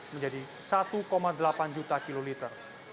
menjadi satu delapan juta kiloliter